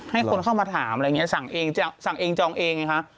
ให้คนเข้ามาถามอะไรอย่างนี้สั่งเองสั่งเองจองเองไงคะ